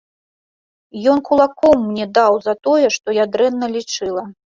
Ён кулаком мне даў за тое, што я дрэнна лічыла.